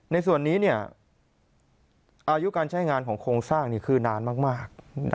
ในส่วนนี้อายุการใช้งานของโครงสร้างคือนานมาก